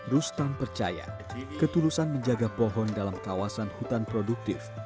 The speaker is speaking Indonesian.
rustam percaya ketulusan menjaga pohon dalam kawasan hutan produktif